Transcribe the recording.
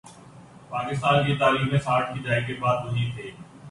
پاکستان کی تاریخ میں ساٹھ کی دہائی کے بعد، وہی تھے۔